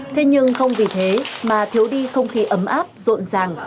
thế nhưng không vì thế mà thiếu đi không khí ấm áp rộn ràng